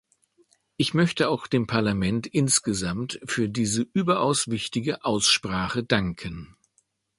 Ich möchte auch dem Parlament insgesamt für diese überaus wichtige Aussprache danken.